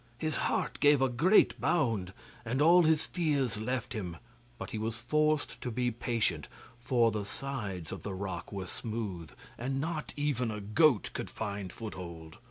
His heart gave a great bound, and all his fears left him, but he was forced to be patient, for the sides of the rock were smooth, and not even a goat could find foothold.